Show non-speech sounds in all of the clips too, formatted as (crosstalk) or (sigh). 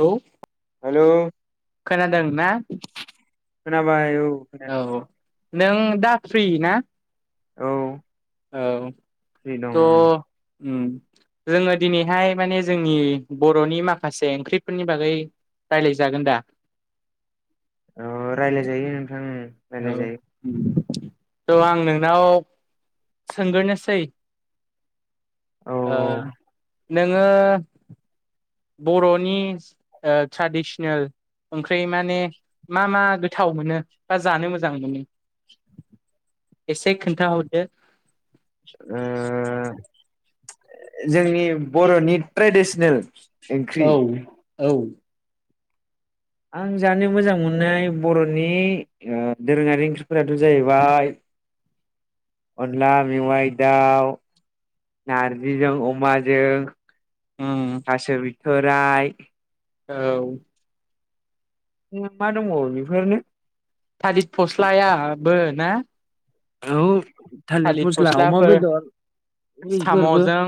लौ हेल' खोनादों ना? खोनाबाय औ। खोनादों औ नों दा फ्रि ना? औ। औ फ्रि दं थ' उम। जोङो दिनैहाय माने जोंनि बर'नि माखासे ओंख्रिफोरनि बागै रायलायजागोन दा? औ रायलाय जायो नोंथां उम औ रायलाय जायो। थ' आं नोंनाव सोंग्रोनोसै। औ ओ नोङो। बर'नि ओ ट्राडिसनेल। ओंख्रि माने मा मा गोथाव मोनो बा जानो मोजां मोनो? एसे खोनथा हरदो? ओ जोंनि बर'नि ट्रेडिसनेल। ओंख्रि। औ औ। आं जानो मोजां मोननाय बर'नि ओ दोरोङारि ओंख्रिफोराथ' जाहैबाय। अनला मेवाइ, दाउ, नारजिजों अमाजों। ओ थोराइ औ। उम मा दंबावो बेफोरनो। थालिर फस्लायाबो ना औ थालिर फसला अमा बेदर। बेफोरबो साम'जों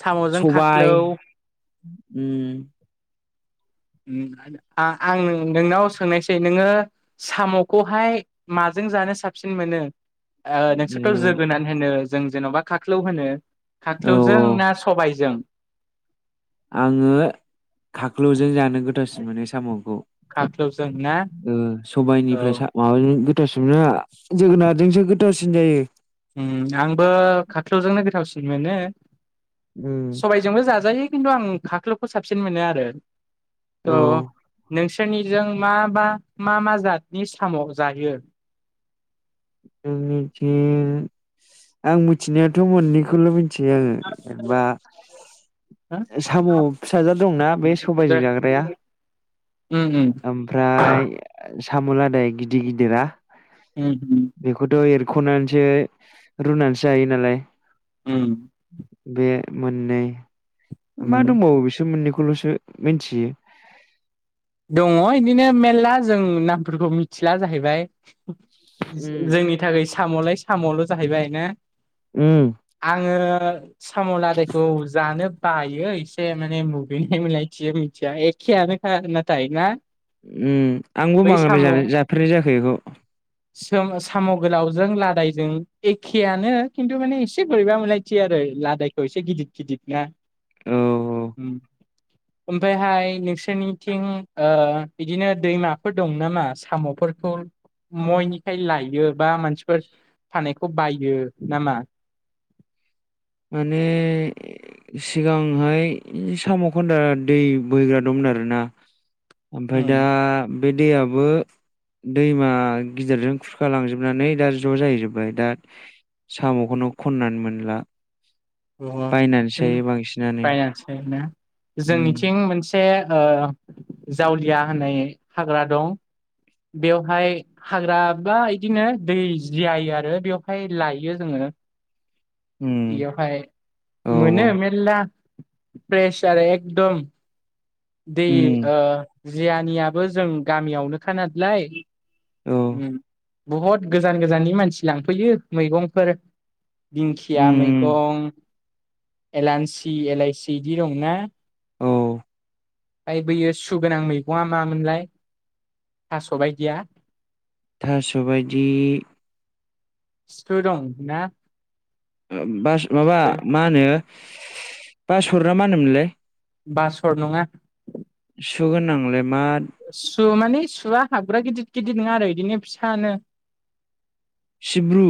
साम'जों सबाय खाख्लौ उम। उम आ आ आं नोंनाव सोंनायसै नोङो साम'खौहाय माज जों जानो साबसिन मोनो? ओ नोंसोरथ' जोगोनान होनो जों जेन'बा खाख्लौ होनो। ओ औ खाख्लौजों औ ना सबायजों? आङो खाख्लुजों जानो गोथावसिन मोनो साम'। खाख्लौजों ना उम औ सबायनिफ्राय ओ माबाजों जोगोनारजोंसो गोथावसिन जायो। आंबो खाख्लौजोंनो गोथावसिन मोनो उम सबायजोंबो जाजायो। खिन्थु आं खाख्लौखौ साबसिन मोनो आरो औ अ नों सिनिजों माबा मा मा जातनि साम' जायो? जोंनिथि आं मिथिनायाथ' मोननैखौल' मिथियो आङो एबा साम' फिसाजो दंना बे उम सबायजों जाग्राया उम ओमफ्राय साम' लादाय गिदिर गिदिरा उम। बेखौथ' एरख'नानैसो रुनानैसो जायो नालाय। उम बे मोननै मा उम दंबावो बिसोर मोननैखौ ल'सो मिथियो। दङ बिदिनो मेरला जों नामफोरखौ मिथिला जाहैबाय। उम जोंनि थाखाय साम'लाय साम'ल' जाहैबाय ना उम आङो साम'लादायखौ जानो बायो एसे माने मुगैनाय मोनलायथियो मिथिया एखेआनोखा नाथाय ना उम आंबो बै साम' मुगैना जाफेरनाय जायाखै बेखौ। साम' गोलावजों लादायजों एखेआनो खिन्थु माने एसे बोरैबा मोनलायथि आरो। लादायखौ एसे गिदिद गिदिद ना औ ओमफ्रायहाय नोंसोरनि थिं ओ बिदिनो दैमाफोर दं नामा साम'फोरखौ मयनिखाय लायो बा मानसिफोर फाननायखौ बायो नामा? (inaudible) माने सिगांहाय साम' खान्दा दै बोहैग्रा दंमोन आरोना। ओमफ्राय दा उम बे दैयाबो दैमा गिदिरजों खुरखा लांजोबनानै दा ज' जाहैजोबबाय दा साम'खौनो खननानै मोनला। (unintelligible) बायनानैसो जायो बांसिनानो उम जोंनिथिं मोनसे मोनसे ओ जावलिया होननाय हाग्रा दं। बेवहाय हाग्रा बा बिदिनो दै जायो आरो बेवहाय लायो जोङो। (unintelligible) उम बेयावहाय औ मोनो मेरला फ्रेस आरो एकदम दै उम ओ जियानियाबो जों गामियावनोखा नालाय। औ उम बहुत गोजान गोजाननि मानसि लांफैयो मैगंफोर दिंखिया उम मैगं एलान्सि एलाइसि बिदि दं ना? औ। ओइ बैयो सुगोनां मैगंङा मामोनलाय थास' बायदिया? थास'बायदि सु दंना बास माबा मा होनो बास'र ना मा होनोमोनलाय। बासर नङा। सुगोन नांलाय मा सु माने सुआ हाबग्रा गिदिद गिदिद नङा आरो बिदिनो फिसानो सिब्रु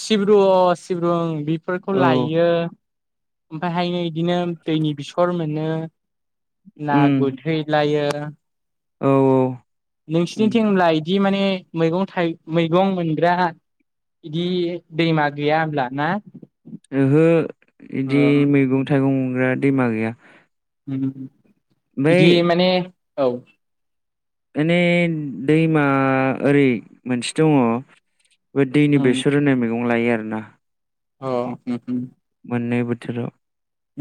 सिब्रु अ सिब्रुं बेफोरखौ औ लायो ओमफायहाय बिदिनो दैनि बेसर मोनो ना उम गुरहैलायो। औ औ उम नोंसिरनिथिं होनब्ला बिदि माने मैगं थाइ मैगं मोनग्रा बिदि दैमा गैया होमब्ला ना? ओहो अ बिदि मैगं थाइगं मोनग्रा दैमा गैया। बिदि ओमफ्राय माने औ माने दैमा ओरै मोनसे दङ। बे दैनि बेसर होनाय मैगं लायो आरोना। अ अम उम मोननै बोथोराव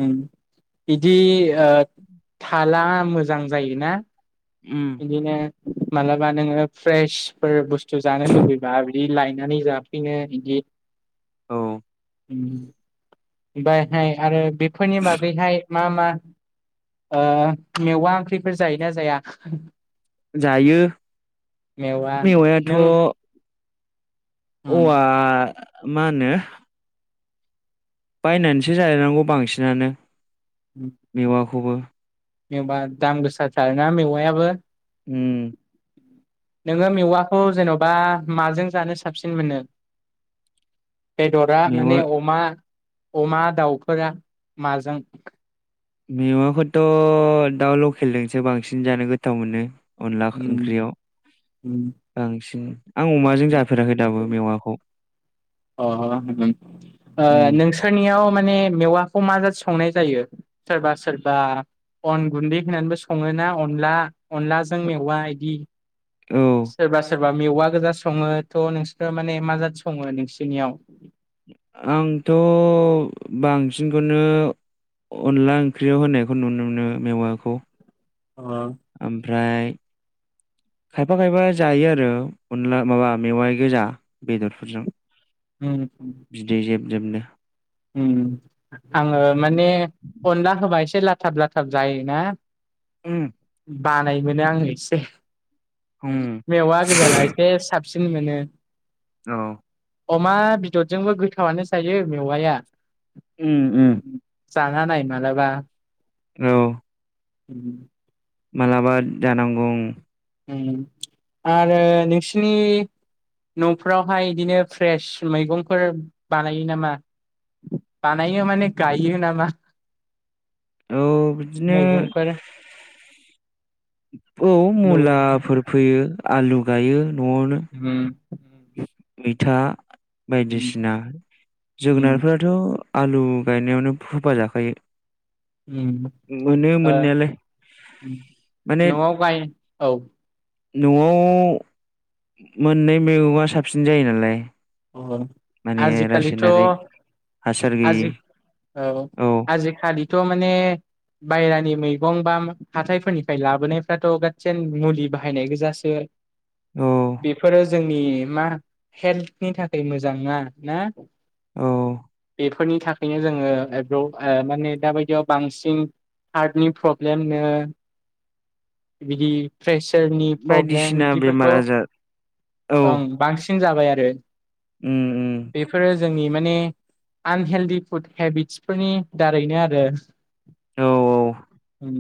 ओम बिदि ओ थाला मोजां जायोना। उम बिदिनो मालाबा नोङो फ्रेसफोर बुस्थु जानो लुुबैबा बिदि बिदि लायनानै जाफिनो बिदि औ ओमफायहाय आरो बेफोरनि बागैहाय मा मा ओ मेवा ओंख्रिफोर जायोना जाया। जायो मेवा मेवायाथ' नों उम औवा मा होनो बायनानैसो जानांगौ बांसिनानो मेवाखौबो। जेनेबा दाम गोसा थारना मेवायाबो। उम नोङो मेवाखौ जेन' बा माजों जानो साबसिन मोनो। बेदरा माने मेवा अमा अमा दाउफोरा माजों मैवाखौथ' दाउ लकेलजोंसो बांसिन जानो गोथाव मोनो। अनला उम ओंख्रियाव उम बांसिन आं अमाजों जाफेराखै दाबो मेवाखौ। अ ओ उम नोंसोरनियाव माने मेवाखौ माजो संनाय जायो सोरबा सोरबा अन गुन्दै होनानैबो सङोना अनला अनलाजों मेवा इदि। औ सोरबा सोरबा मेवा गोजा सङो थ' नोंसोरो माने मा जाद सङो नोंसोर नियाव आंथ' बांसिनखौनो अनला ओंख्रियाव होनायखौ नुनो मोनो मेवाखौ। अ ओमफ्राय खायफा खायफा जायो आरो अनला माबा मेवाइ गोजा बेदरफोरजों। उम नो आङो माने अनला होबा एसे लाथाब लाथाब जायोना ओम बानाय मोनो आङो एसे उम मेवा गोजाला एसे साब सिगांनानो औ अमा बेदरजोंबो गोथावानो जायो मेवाया। उम उम जाना नाय मालाबा। औ उम माबलाबा जानांगौ ओम। आरो नोंसिनि न'फोरावहाय बिदिनो फ्रेस मैगंफोर बानायो नामा? बानायो माने गायो नामा? औ बिदिनो मैगंफोर (inaudible) औ न' मुलाफोर फैयो आलु गायो न'आवनो होम मैथा बायदिसिना उम जोगोनारफोराथ' आलु गायनायावनो फोफा जाखायो उम मोनो ओ मोननायालाय माने न'आव गाय औ न'आव मोननै मैगंआ साबसिन जायो नालाय अ माने आजिखालिथ' रासायनारि हासार गैयि आजि औ आजिखालिथ' माने बायहेरानि मैगं बा हाथाइफोरनिफ्राय लाबोनायफ्राथ' गासिन मुलि बाहायनाय गोजासो औ बेफोरो जोंनि मा हेल्थ नि थाखाय मोजां ना ना औ एफोरनि थाखायनो जोङो माने दाबायदियाव बांसिन हार्टनि प्रब्लेमनो बिदि प्रेसारनि प्रब्लेम बायदिसिना बेमार बिदिफोरखौ आजार औ ओं बांसिन जा बाय आरो उम उम बेफोर जोंनि माने आनहेल्दि फुड हेबितसफोरनि दारैनो आरो औ (inaudible) उम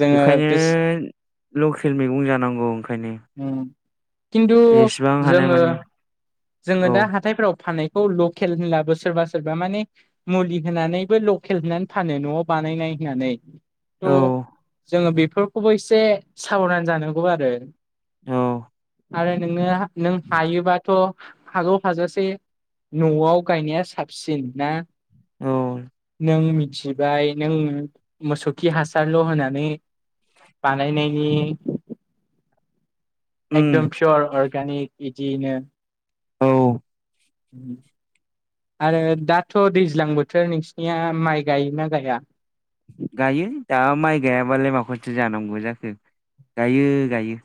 जोङो बेखायनो लकेल मैगं जानांगौ ओंखायनो उम खिन्थु जेसेबां जोङो हानायमानि जोङो औ दा हाथायफ्राव फाननायखौ लखेल होननाबो सोरबा सोरबा माने मुलि होनानैबो लखेल फानो न'आव बानायनाय होननानै थ' औ जोङो बेफोरखौबो एसे साबधान जानांगौ आरो औ आरो नोङो नों हायोबाथ' हागौ हाजासे न'आव गायनाया साबसिन ना उम नों मिथिबाय नों मोसौ खि हासारल' होनानै बानायनायनि एकदम पियर अर्गानिक बिदिनो औ आरो दाथ' दैज्लां बोथोर नोंसिनिया माइ गायोना गाया‌? गायो दा माइ गायाबालाय माखौथो‌ जानांगौ जाखो गायो गायो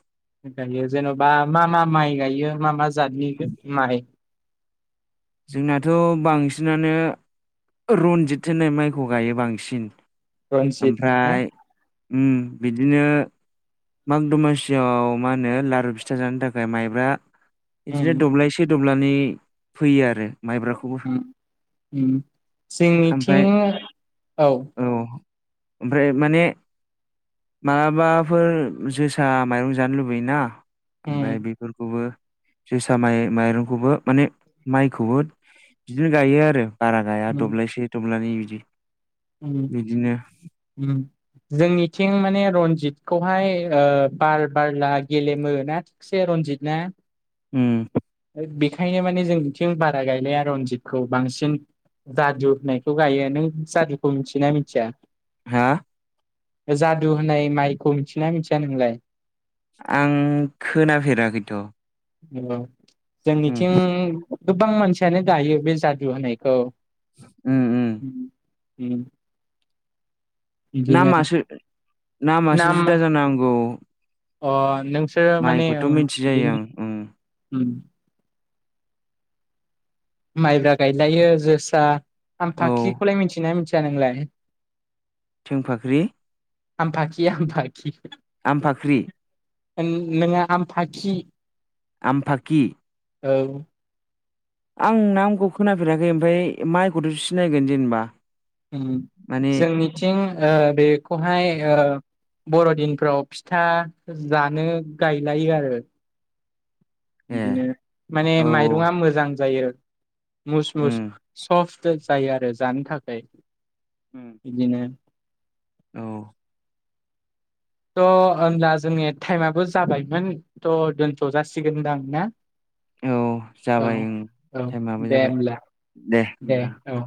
गायो जेन'बा मा मा माइ गायो मा मा जातनि माइ जोंनाथ' बांसिनानो रनजित होनाय माइखौ गायो बांसिन। रन्जित ओमफ्राय हो उम बिदिनो माग दमासियाव मा होनो लारु फिथा जानो थाखाय माइब्रा बिदिनो दब्लायसे दब्लानै फैयो आरो माइब्राखौबो उम उम उम ओमफ्राय जोंनिथिं औ ओमफ्राय माने माबाफोर जोसा माइरं जानो लुबैयोना उम ओमफ्राय बेफोरखौबो जोसा माइ माइरंखौबो माने माइखौबो बिदिनो गायो आरो बारा गाया उम दब्लायसे दब्लनि बिदि उम बिदिनो उम जोंनिथिं माने रनजित खौहाय ओ बार बारला गेलेमो ना थिकसे रनजित ना उम बेखायनो माने जों बिथिं बारा गायनाया रनजितखौ बांसिन जादु होननायखौ गायो नों जादुखौ मिथियोना मिथिया? हा? जादु होननाय माइखौ मिथिना मिथिया नोंलाय? आं खोनाफेराखैथ' औ उम जोंनिथिं गोबां मानसियानो गायो बे जादु होनायखौ। उम उम। उम। बिदिनो नामासो नामासो नाम जुदा जानांगौ अ नोंसोरो माने माइखौथ' मिथिजायो आं बिदिनो उम माइब्रा गायजायो जोसा आम औ फाखिखौलाय मिथियो ना मिथि या नोंलाय? थेंफाख्रि हामफाखि हामफाखि। आमफाख्रि नों-नोङो हामफाखि आमफाकि औ। आं नामखौ खोनाफेराखै ओमफ्राय माइखौथ' सिनायगोन जेनेबा उम माने जोंनिथिं ओ बेखौहाय ओ बर'दिनफ्राव फिथा जानो गायलायो आरो। ए बिदिनो माने औ माइरंआ मोजां जायो मुस उम मुस सफ्ट जायो आरो जानो थाखाय। उम बिदिनो औ, थ' होनोमब्ला जोंनि टाइमाबबो जाबायमोन थ' दोनथ' जासिगोन होनदां ना? औ औ जाबाय ओं औ टाइमाबो दे जाबाय होमब्ला दे औ।